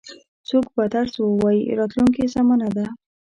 څوک به درس ووایي راتلونکې زمانه ده.